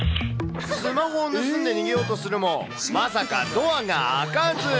スマホを盗んで逃げようとするもまさかドアが開かず。